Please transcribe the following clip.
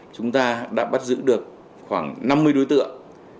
chúng ta đã bắt giữ được khoảng năm mươi đối tượng